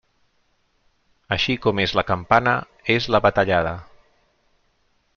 Així com és la campana, és la batallada.